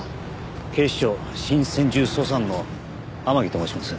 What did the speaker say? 警視庁新専従捜査班の天樹と申します。